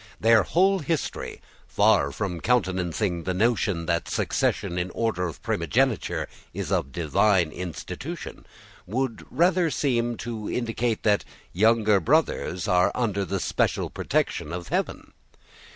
Their whole history, far from countenancing the notion that succession in order of primogeniture is of divine institution, would rather seem to indicate that younger brothers are under the especial protection of heaven.